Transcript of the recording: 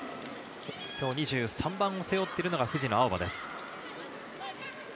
２３番を背負っているのが藤野あおばです。